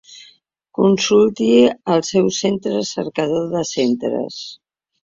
Consulti el seu centre al cercador de centres.